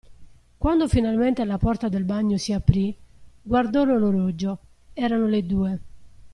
Quando finalmente la porta del bagno si aprí, guardò l'orologio: erano le due.